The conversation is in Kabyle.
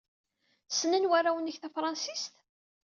Ssnen warraw-nnek tafṛensist?